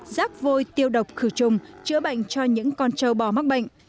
rác vôi tiêu độc khử trùng chữa bệnh cho những con trâu bò mắc bệnh